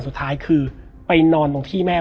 แล้วสักครั้งหนึ่งเขารู้สึกอึดอัดที่หน้าอก